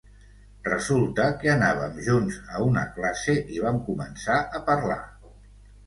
Resulta que anàvem junts a una classe i vam començar a parlar.